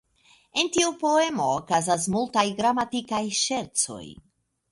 En tiu poemo okazas multaj gramatikaj ŝercoj.